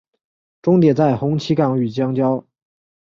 终点在红旗岗与相交。